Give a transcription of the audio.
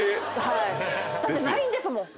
だってないんですもん。